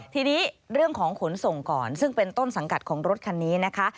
ทีนี้เรื่องของขนส่งก่อนซึ่งเป็นต้นสังกัดของรถคันนี้นะคะ